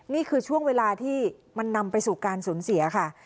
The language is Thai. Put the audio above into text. นี่คือช่วงเวลาที่มันนำไปสู่การสูญเสียค่ะ